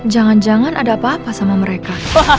jangan jangan ada apa apa sama mereka